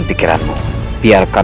lihat yang aku lakukan